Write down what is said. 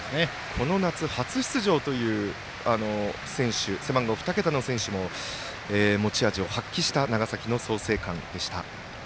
この夏初出場という選手背番号２桁の選手も持ち味を発揮した長崎の創成館でした。